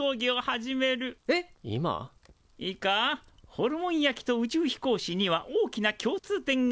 ホルモン焼きと宇宙飛行士には大きな共通点がある。